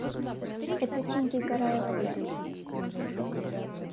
– Это Тимки Гараева дядя.